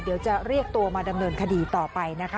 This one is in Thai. เดี๋ยวจะเรียกตัวมาดำเนินคดีต่อไปนะคะ